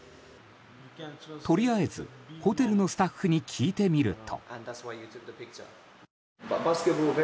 とりあえずホテルのスタッフに聞いてみると。